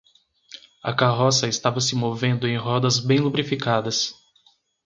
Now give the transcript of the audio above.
A carroça estava se movendo em rodas bem lubrificadas.